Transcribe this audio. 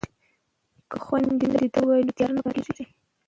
که خویندې درس ووایي نو تیاره نه پاتې کیږي.